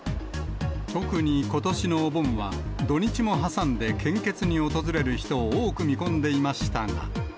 特にことしのお盆は、土日も挟んで献血に訪れる人を多く見込んでいましたが。